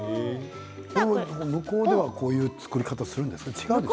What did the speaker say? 向こうではこのような作り方をするんですか。